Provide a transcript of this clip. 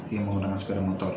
yang menggunakan sepeda motor